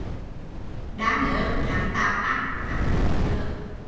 Đang lớn, hắn tạp ăn, ăn chi cũng được